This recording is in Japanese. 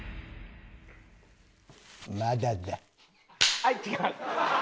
はい違う。